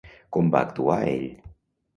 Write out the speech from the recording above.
Com va actuar ell?